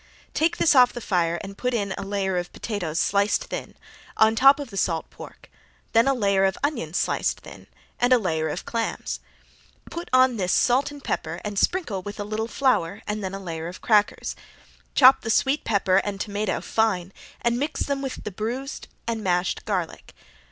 Take this off the fire and put in a layer of potatoes sliced thin, on top of the salt pork, then a layer of onions sliced thin, and a layer of clams. Put on this salt and pepper and sprinkle with a little flour and then a layer of crackers. Chop the sweet pepper and tomato fine and mix with them the bruised and mashed garlic.